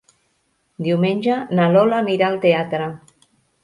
Diumenge na Lola anirà al teatre.